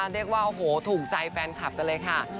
เรียกว่าโอ้โหถูกใจแฟนคลับกันเลยค่ะ